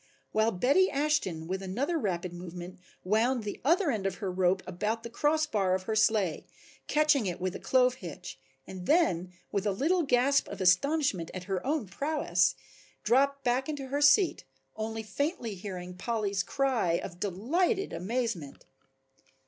While Betty Ashton with another rapid movement wound the other end of her rope about the cross bar of her sleigh catching it with a clove hitch and then, with a little gasp of astonishment at her own prowess, dropped back into her seat, only faintly hearing Polly's cry of delighted amazement.